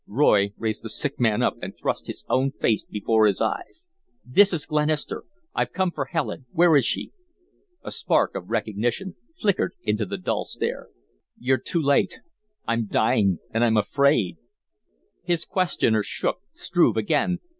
Roy raised the sick man up and thrust his own face before his eyes. "This is Glenister. I've come for Helen where is she?" A spark of recognition flickered into the dull stare. "You're too late I'm dying and I'm afraid." His questioner shook Struve again.